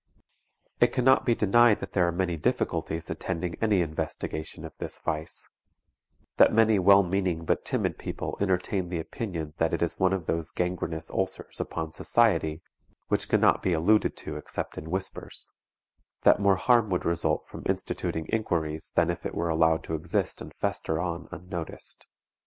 It can not be denied that there are many difficulties attending any investigation of this vice; that many well meaning but timid people entertain the opinion that it is one of those gangrenous ulcers upon society which can not be alluded to except in whispers; that more harm would result from instituting inquiries than if it were allowed to exist and fester on unnoticed.